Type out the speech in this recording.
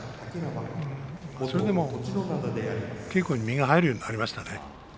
でも稽古に身が入るようになりましたね。